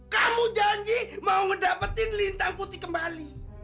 kamu janji mau dapetin lintang putih kembali